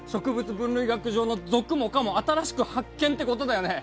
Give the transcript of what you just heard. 分類学上の属も科も新しく発見ってことだよね？